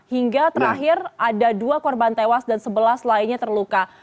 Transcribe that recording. hingga terakhir ada dua korban tewas dan sebelas lainnya terluka